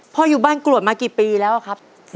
อยู่บ้านกรวดมากี่ปีแล้วครับ